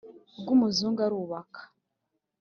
rw'umuzungu arubaka.